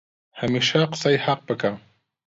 هەمیشە قسەی حەق بکە